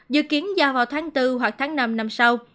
dự kiến ra vào tháng bốn hoặc tháng năm năm sau